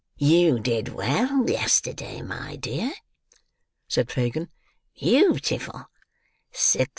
"You did well yesterday, my dear," said Fagin. "Beautiful!